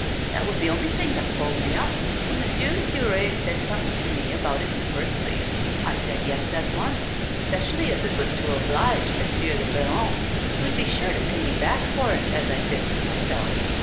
" That was the only thing that pulled me up. When M'sieu I'cure said somethin' to me about it in the first place, I said yes at once, 'specially as it was to oblige M'sieu I'baron who'd be sure to pay me back for it, as I says to myself.